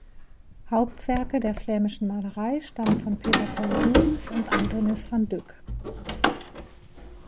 Hauptwerke der flämischen Malerei stammen von Peter Paul Rubens und Anthonis van Dyck.